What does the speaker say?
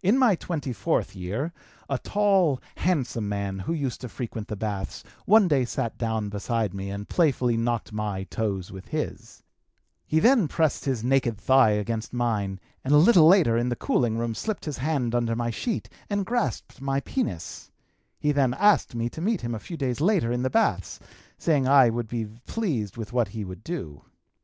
"In my twenty fourth year, a tall, handsome man who used to frequent the baths one day sat down beside me and playfully knocked my toes with his; he then pressed his naked thigh against mine and a little later in the cooling room slipped his hand under my sheet and grasped my penis; he then asked me to meet him a few days later in the baths, saying I would be pleased with what he would do.